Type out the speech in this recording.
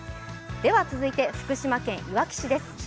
では続いて福島県いわき市です。